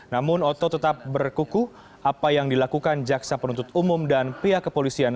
namun oto tetap berkuku apa yang dilakukan jaksa penuntut umum dan pihak kepolisian